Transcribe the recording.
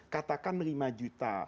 katakan lima juta